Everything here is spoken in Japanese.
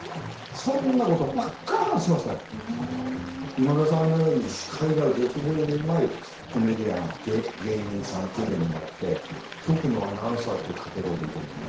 今田さんのように司会が絶妙にうまいコメディアン芸人さんっていうのでもなくて局のアナウンサーというカテゴリーでもなくて。